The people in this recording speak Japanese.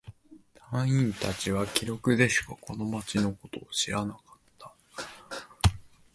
隊員達は記録でしかこの町のことを知らなかった。